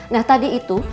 nah tadi itu